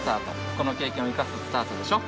この経験を生かすスタートでしょ。